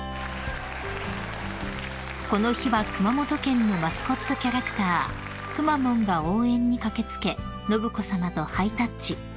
［この日は熊本県のマスコットキャラクターくまモンが応援に駆け付け信子さまとハイタッチ］